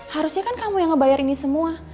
harusnya kan kamu yang ngebayar ini semua